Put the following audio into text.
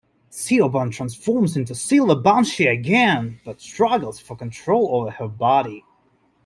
Siohban transforms into Silver Banshee again but struggles for control over her body.